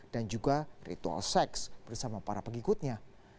dan juga ritual seks bersama para pengikutnya